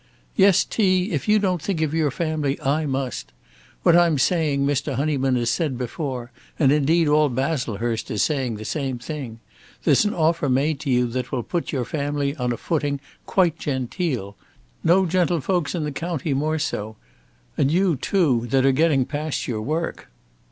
"Yes, T.; if you don't think of your family I must. What I'm saying Mr. Honyman has said before; and indeed all Baslehurst is saying the same thing. There's an offer made to you that will put your family on a footing quite genteel, no gentlefolks in the county more so; and you, too, that are getting past your work!"